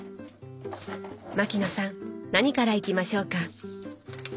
牧野さん何からいきましょうか？